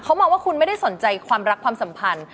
เขามองว่าคุณไม่ได้สนใจความรักความสัมพันธ์